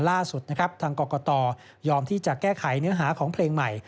ล่าสุดนะครับทางกรกตยอมที่จะแก้ไขเนื้อหาของเพลงใหม่